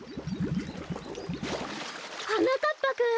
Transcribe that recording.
はなかっぱくん！